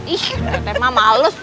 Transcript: ih tete mah males